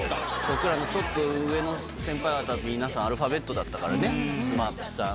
僕らのちょっと上の先輩方皆さんアルファベットだったからね。